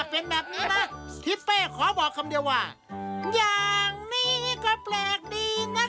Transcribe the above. โปรดติดตามตอนต่อไป